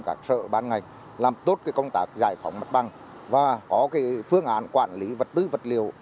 các sở ban ngành làm tốt công tác giải phóng mặt bằng và có phương án quản lý vật tư vật liều